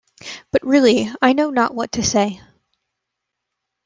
But, really, I know not what to say.